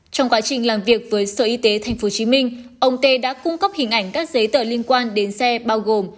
trong quá trình làm việc với sở y tế tp hcm ông tê đã cung cấp hình ảnh các giấy tờ liên quan đến xe bao gồm